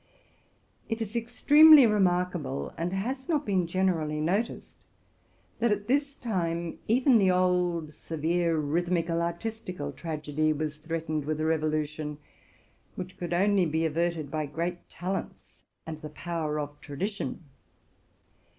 It is extremely remarkable, and has not been generally noticed, that, at this time, even the old, severe, rhythmical, artistical tragedy was threatened with a revolution, which could only be averted by great talents and the power of tradition, RELATING TO MY LIFE.